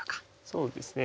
そうですね。